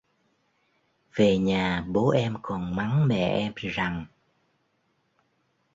Về nhà bố em còn mắng mẹ em rằng